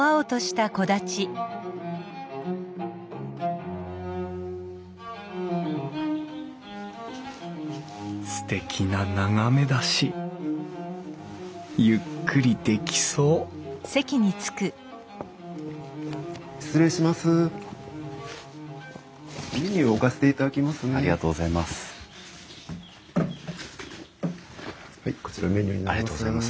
ありがとうございます。